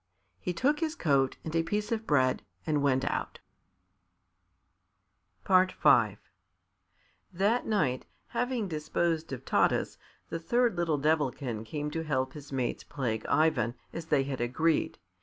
He took his coat and a piece of bread, and went out. V That night, having disposed of Taras, the third little Devilkin came to help his mates plague Ivan, as they had agreed.